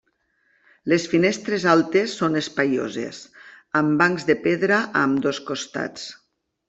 Les finestres altes són espaioses, amb bancs de pedra a ambdós costats.